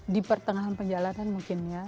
di pertengahan penjalanan mungkin ya